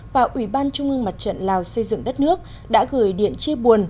và ủy ban trung ương mặt trận lào xây dựng đất nước đã gửi điện chia buồn